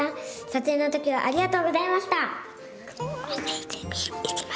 撮影のときはありがとうございました！